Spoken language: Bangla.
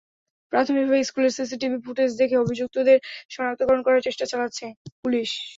প্রাথমিকভাবে স্কুলের সিসি টিভি ফুটেজ দেখে অভিযুক্তদের শনাক্তকরণ করার চেষ্টা চালাচ্ছে পুলিশ।